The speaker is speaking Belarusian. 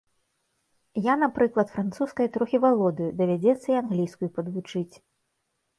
Я, напрыклад, французскай трохі валодаю, давядзецца і англійскую падвучыць.